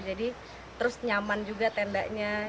jadi terus nyaman juga tendanya